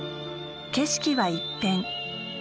景色は一変。